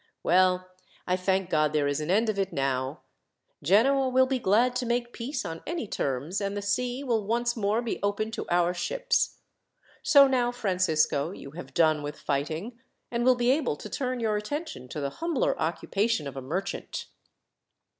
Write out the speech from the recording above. "Well, I thank God there is an end of it, now! Genoa will be glad to make peace on any terms, and the sea will once more be open to our ships. So now, Francisco, you have done with fighting, and will be able to turn your attention to the humbler occupation of a merchant."